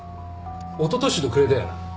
おととしの暮れだよな？